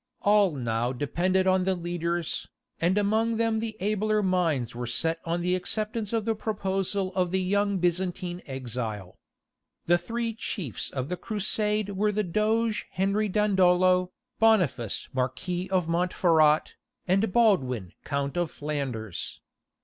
All now depended on the leaders, and among them the abler minds were set on the acceptance of the proposal of the young Byzantine exile. The three chiefs of the Crusade were the Doge Henry Dandolo, Boniface Marquis of Montferrat, and Baldwin Count of Flanders.